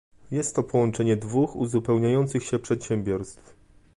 jest to połączenie dwóch uzupełniających się przedsiębiorstw